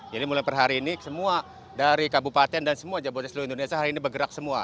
jadi mulai per hari ini semua dari kabupaten dan semua jabodetabek indonesia hari ini bergerak semua